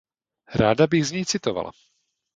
Ráda bych z něj citovala.